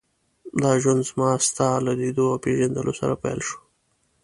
دا ژوند زما ستا له لیدو او پېژندلو سره پیل شو.